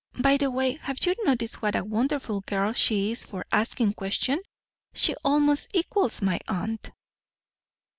"By the way, have you noticed what a wonderful girl she is for asking questions? She almost equals my aunt."